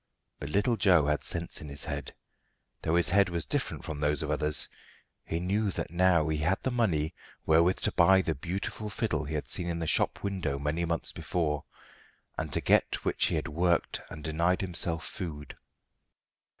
But little Joe had sense in his head, though his head was different from those of others; he knew that now he had the money wherewith to buy the beautiful fiddle he had seen in the shop window many months before, and to get which he had worked and denied himself food.